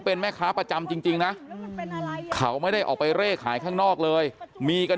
เป็นแม่ค้าประจำจริงนะเขาไม่ได้ออกไปเร่ขายข้างนอกเลยมีกัน